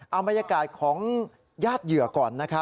เอาบรรยากาศของญาติเหยื่อก่อน